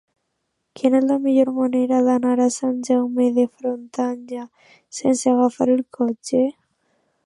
Quina és la millor manera d'anar a Sant Jaume de Frontanyà sense agafar el cotxe?